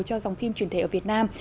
cho dòng phim truyền thể ở việt nam